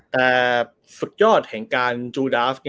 แต่สุดยอดแห่งการจูดาฟ